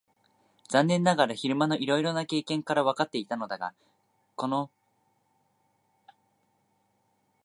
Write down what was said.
残念ながら昼間のいろいろな経験からわかっていたのだが、この糸玉がきわめて注意深い観察者であり、いつでも Ｋ のほうをじっと見ているのだ。